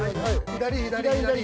左左。